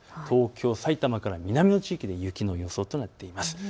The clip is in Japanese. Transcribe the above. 東京、埼玉から南の地域で雪の予想となっています。